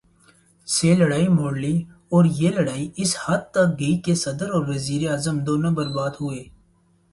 سے لڑائی مول لی اور یہ لڑائی اس حد تک گئی کہ صدر اور وزیر اعظم دونوں برباد ہوئے۔